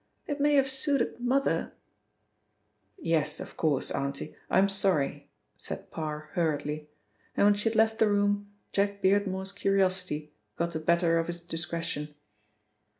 It may have suited mother " "Yes, of course, auntie; I'm sorry," said Parr hurriedly, and when she had left the room, Jack Beardmore's curiosity got the better of his discretion.